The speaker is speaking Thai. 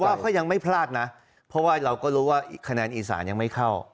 ว่าเขายังไม่พลาดนะเพราะว่าเราก็รู้ว่าคะแนนอีสานยังไม่เข้า